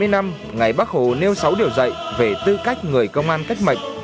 bảy mươi năm ngày bác hồ nêu sáu điều dạy về tư cách người công an cách mệnh